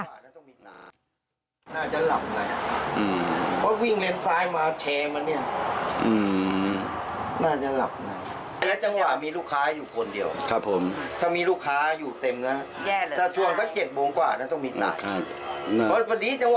อันนั้นเขาก็กระโดดหลบ